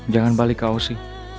jangan balik ke aosy